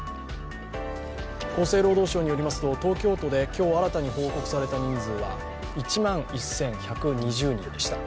厚生労働省によりますと東京都で今日新たに報告された人数は１万１１２０人でした。